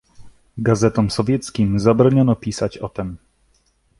"Gazetom sowieckim zabroniono pisać o tem."